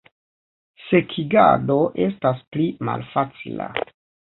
Sekigado estas pli malfacila.